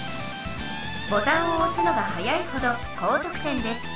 ボタンを押すのが早いほど高とく点です。